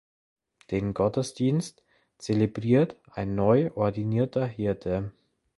Den Gottesdienst zelebriert ein neu ordinierter Hirte.